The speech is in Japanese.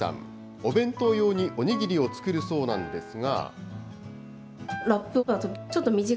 お弁当用にお握りを作るそうなんですが。